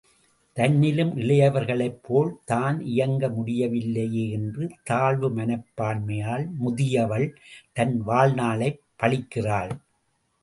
தன்னிலும் இளையவர்களைப்போல் தான் இயங்க முடியவில்லையே என்ற தாழ்வு மனப்பான்மையால், முதியவள் தன் வாழ்நாளைப் பழிக்கிறாள்.